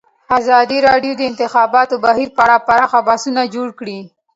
ازادي راډیو د د انتخاباتو بهیر په اړه پراخ بحثونه جوړ کړي.